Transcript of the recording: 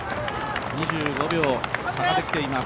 ２５秒、差ができています。